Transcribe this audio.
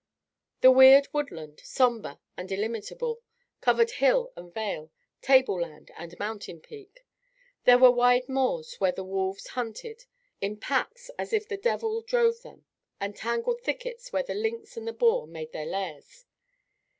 The weird woodland, sombre and illimitable, covered hill and vale, table land and mountain peak. There were wide moors where the wolves hunted in packs as if the devil drove them, and tangled thickets where the lynx and the boar made their lairs.